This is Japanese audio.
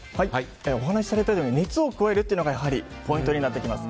お話しされていたように熱を加えるというのがポイントになってきます。